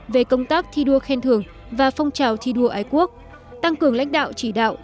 về công tác thi đua khen thường và phong trào thi đua ái quốc tăng cường lãnh đạo chỉ đạo